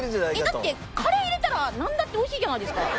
だってカレー入れたらなんだっておいしいじゃないですか。